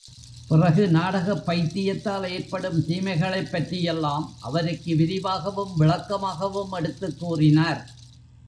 பிறகு நாடகப் பைத்தியத்தால் ஏற்படும் தீமைகளைப் பற்றியெல்லாம் அவருக்கு விரிவாகவும் விளக்கமாகவும் எடுத்துக் கூறினார்.